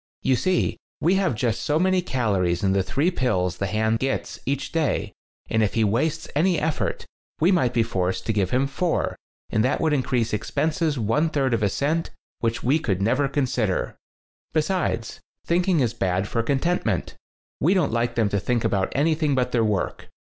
You see, we have just so many calories in the three pills the hand gets each day, and if he wastes any effort we might be forced to give him four, and that would increase expenses one third of a cent, which we could never consider. "Besides, thinking is bad for con tentment. We don't like them to think about anything but their work.